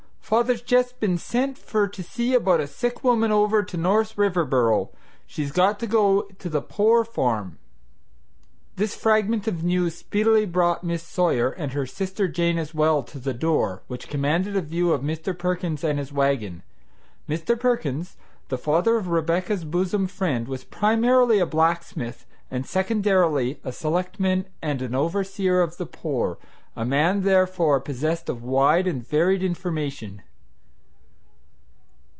Father's just been sent for to see about a sick woman over to North Riverboro. She's got to go to the poor farm." This fragment of news speedily brought Miss Sawyer, and her sister Jane as well, to the door, which commanded a view of Mr. Perkins and his wagon. Mr. Perkins, the father of Rebecca's bosom friend, was primarily a blacksmith, and secondarily a selectman and an overseer of the poor, a man therefore possessed of wide and varied information.